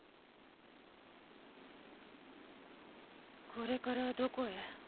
これからどこへ？